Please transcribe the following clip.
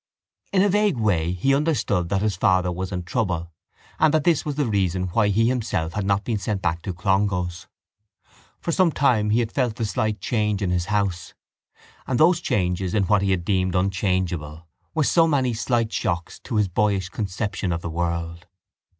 In a vague way he understood that his father was in trouble and that this was the reason why he himself had not been sent back to Clongowes. For some time he had felt the slight change in his house; and those changes in what he had deemed unchangeable were so many slight shocks to his boyish conception of the world.